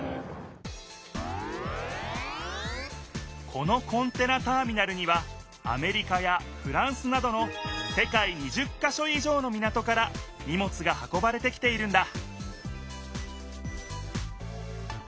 このコンテナターミナルにはアメリカやフランスなどの世界２０か所以上の港からにもつが運ばれてきているんだ